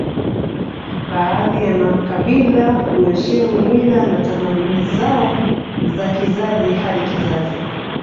Baadhi ya makabila huheshimu mila na tamaduni zao za kizazi hadi kizazi